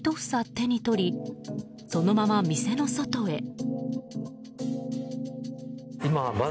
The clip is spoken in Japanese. １房、手に取りそのまま、店の外へ。